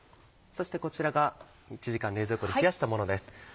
そしてこちらが１時間冷蔵庫で冷やしたものです。